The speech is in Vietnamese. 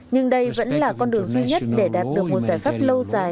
nhưng đây vẫn là con đường duy nhất để đạt được một giải pháp lâu dài